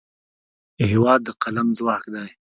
هېواد د قلم ځواک دی.